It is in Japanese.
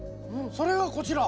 それがこちら？